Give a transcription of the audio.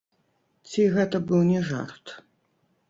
Ці гэта быў не жарт?